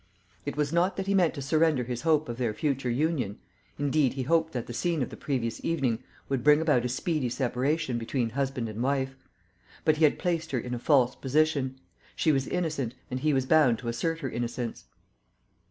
It was not that he meant to surrender his hope of their future union indeed, he hoped that the scene of the previous evening would bring about a speedy separation between husband and wife. But he had placed her in a false position; she was innocent, and he was bound to assert her innocence.